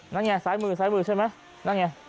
นั่นไงซ้ายมือซ้ายมือใช่ไหมนั่นไง